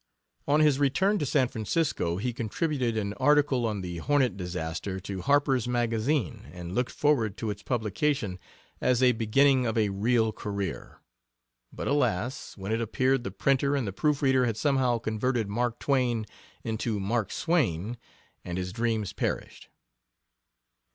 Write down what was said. On his return to San Francisco he contributed an article on the Hornet disaster to Harper's Magazine, and looked forward to its publication as a beginning of a real career. But, alas! when it appeared the printer and the proof reader had somehow converted "Mark Twain" into "Mark Swain," and his dreams perished.